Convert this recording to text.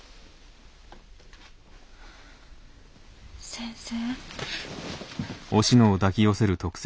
先生。